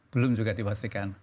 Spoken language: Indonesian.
belum juga dipastikan